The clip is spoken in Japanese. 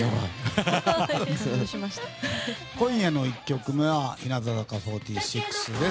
今夜の１曲目は日向坂４６です。